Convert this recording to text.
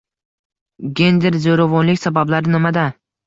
Gender zo‘rovonlik sabablari nimada?